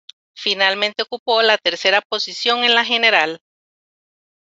Finalmente ocupó la tercera posición en la general.